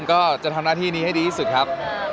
ก็จะทำลักษณะที่นี้ให้ดีสุดครับ